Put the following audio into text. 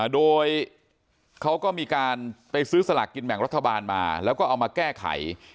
โดยเขาก็มีการไปซื้อสลากกินแบ่งรัฐบาลมาแล้วก็เอามาแก้ไข